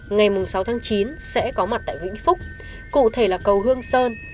ngày sáu tháng chín sẽ có mặt tại vĩnh phúc cụ thể là cầu hương sơn